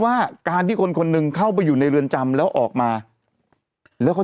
ว่าการที่คนคนหนึ่งเข้าไปอยู่ในเรือนจำแล้วออกมาแล้วเขา